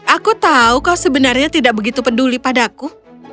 aku tahu kau sebenarnya tidak begitu peduli padaku